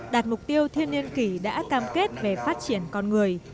đạt mục tiêu thiên niên kỷ đã cam kết về phát triển con người